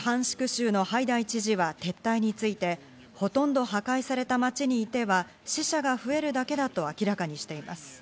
州のハイダイ知事は撤退について、ほとんど破壊された街にいては死者が増えるだけだと明らかにしています。